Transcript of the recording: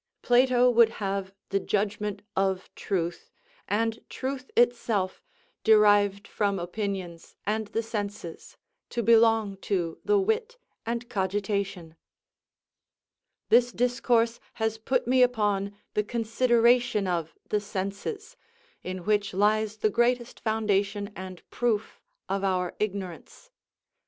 Plato would have the judgment of truth, and truth itself, derived from opinions and the senses, to belong to the wit and cogitation. This discourse has put me upon the consideration of the senses, in which lies the greatest foundation and Pro°f of our ignorance.